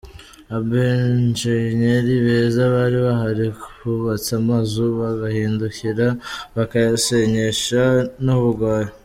Abenjennyeri beza bari bahari bubatse amazu bagahindukira bakayasenyesha ni ubugwari.